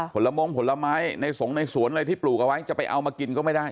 ผลมงผลไม้ในสงในสวนอะไรที่ปลูกเอาไว้จะไปเอามากินก็ไม่ได้